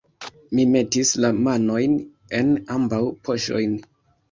Mi metis la manojn en ambaŭ poŝojn.